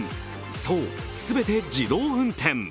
そう、全て自動運転。